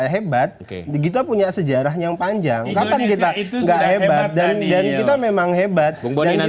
hebat digital punya sejarah yang panjang kapan kita itu gak hebat dan kita memang hebat dan